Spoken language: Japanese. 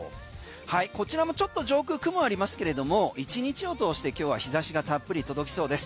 こちらもちょっと上空雲がありますけれども１日を通して今日は日差しがたっぷり届きそうです。